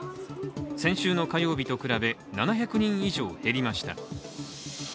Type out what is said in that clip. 先週の火曜日と比べ７００人以上減りました。